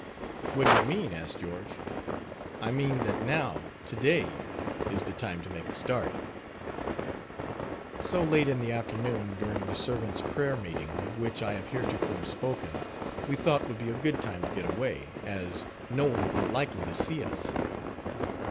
" "What do you mean?" asked George. "I mean that now, today, is the time to make a start." So, late in the afternoon, during the servants' prayer meeting, of which I have heretofore spoken, we thought would be a good time to get away, as no one would be likely to see us.